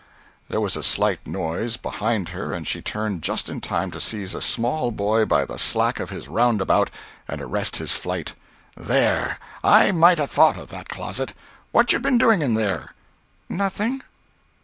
There was a slight noise behind her and she turned just in time to seize a small boy by the slack of his roundabout and arrest his flight. "There! I might 'a' thought of that closet. What you been doing in there?" "Nothing."